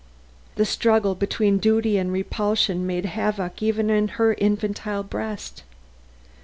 The struggle between duty and repulsion made havoc even in her infantile breast.